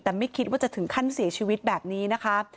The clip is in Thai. แต่ไม่คิดว่าจะถึงขั้นเสียชีวิตแบบนี้นะคะ